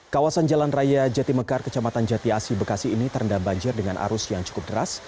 kawasan jalan raya jatimekar kecamatan jati asi bekasi ini terendam banjir dengan arus yang cukup deras